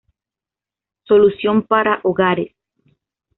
Solución para hogares.